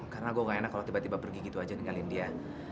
karena gue gak enak kalau tiba tiba pergi gitu aja nengahin dia